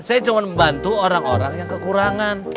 saya cuma membantu orang orang yang kekurangan